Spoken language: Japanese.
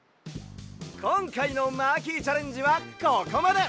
こんかいのマーキーチャレンジはここまで！